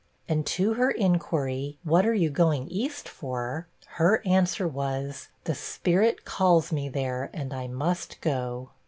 And to her inquiry, 'What are you going east for?' her answer was, 'The Spirit calls me there, and I must go.'